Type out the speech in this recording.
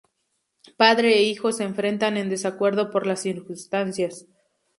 Padre e hijo se enfrentan en desacuerdo por las circunstancias.